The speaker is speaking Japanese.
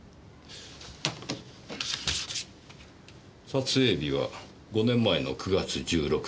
撮影日は５年前の９月１６日。